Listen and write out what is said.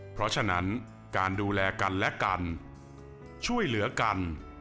เพราะฉะนั้นการดูแลกันและกันช่วยเหลือกัน